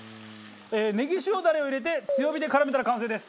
ねぎ塩ダレを入れて強火で絡めたら完成です。